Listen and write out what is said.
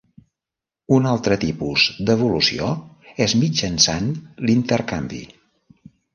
Un altre tipus d'evolució és mitjançant l'intercanvi.